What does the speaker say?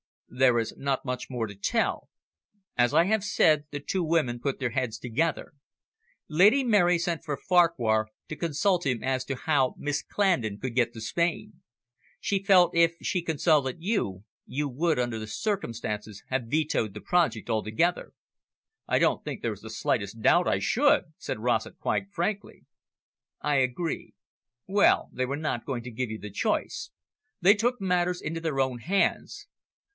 "There is not much more to tell. As I have said, the two women put their heads together. Lady Mary sent for Farquhar to consult him as to how Miss Clandon could get to Spain. She felt if she consulted you, you would, under the circumstances, have vetoed the project altogether." "I don't think there is the slightest doubt I should," said Rossett, quite frankly. "I agree. Well, they were not going to give you the chance. They took matters into their own hands.